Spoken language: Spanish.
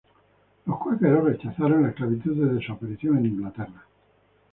Los cuáqueros rechazaron la esclavitud desde su aparición en Inglaterra.